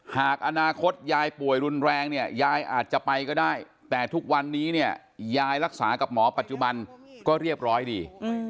หากอนาคตยายป่วยรุนแรงเนี่ยยายอาจจะไปก็ได้แต่ทุกวันนี้เนี่ยยายรักษากับหมอปัจจุบันก็เรียบร้อยดี